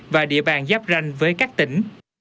và địa bàn giáp ranh với các tỉnh